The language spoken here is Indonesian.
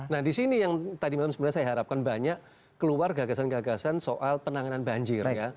nah di sini yang tadi malam sebenarnya saya harapkan banyak keluar gagasan gagasan soal penanganan banjir ya